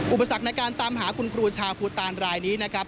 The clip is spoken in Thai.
อุปสรรคในการตามหาคุณครูชาวภูตานรายนี้นะครับ